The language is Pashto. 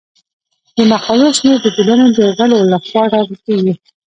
د مقالو شمیر د ټولنې د غړو لخوا ټاکل کیږي.